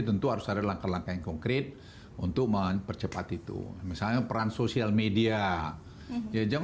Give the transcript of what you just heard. tentu harus ada langkah langkah yang konkret untuk mempercepat itu misalnya peran sosial media